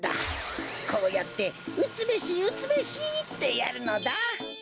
こうやって「うつべしうつべし」ってやるのだ。